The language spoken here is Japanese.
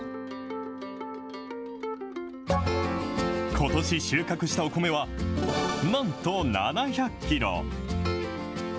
ことし収穫したお米は、なんと７００キロ。